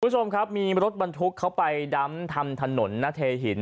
คุณผู้ชมครับมีรถบรรทุกเขาไปดำทำถนนนาเทหิน